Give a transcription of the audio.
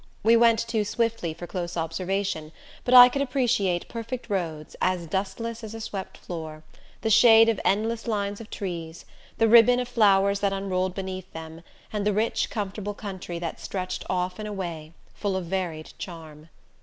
We went too swiftly for close observation, but I could appreciate perfect roads, as dustless as a swept floor; the shade of endless lines of trees; the ribbon of flowers that unrolled beneath them; and the rich comfortable country that stretched off and away, full of varied charm.